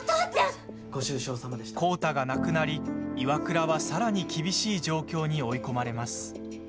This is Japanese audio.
浩太が亡くなりＩＷＡＫＵＲＡは、さらに厳しい状況に追い込まれます。